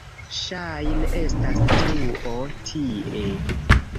Ŝajne estas truo tie.